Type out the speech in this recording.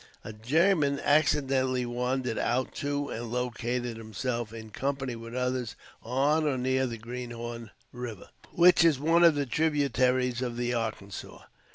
A German accidentally wandered out to and located himself in company with others on or near the Greenhorn River, which is one of the tributaries of the Arkansas.